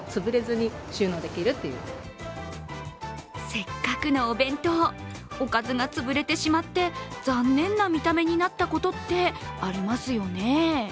せっかくのお弁当、おかずが潰れてしまって残念な見た目になったことってありますよね？